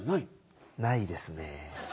ないですね。